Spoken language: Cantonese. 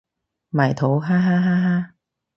埋土哈哈哈哈